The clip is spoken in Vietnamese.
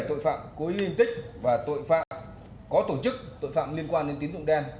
tội phạm cố yên tích và tội phạm có tổ chức tội phạm liên quan đến tín dụng đen